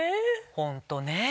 ホントねぇ。